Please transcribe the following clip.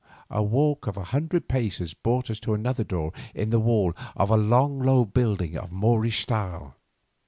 A walk of a hundred paces brought us to another door in the wall of a long low building of Moorish style.